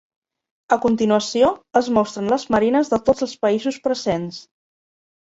A continuació, es mostren les marines de tots els països presents.